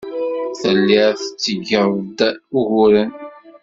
Telliḍ tettgeḍ-d uguren.